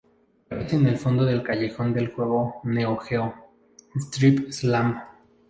Aparece en el fondo del callejón del juego Neo-Geo "Street Slam".